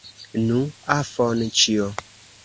Nu, Afonĉjo!